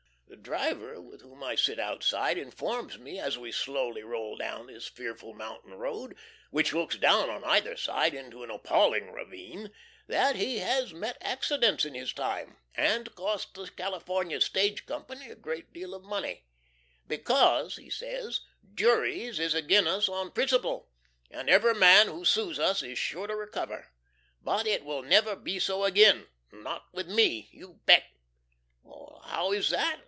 The driver, with whom I sit outside, informs me, as we slowly roll down this fearful mountain road, which looks down on either side into an appalling ravine, that he has met accidents in his time, and cost the California Stage Company a great deal of money; "because," he says, "juries is agin us on principle, and every man who sues us is sure to recover. But it will never be so agin, not with ME, you bet." "How is that?"